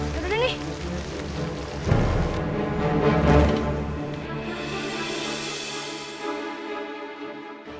ya udah nih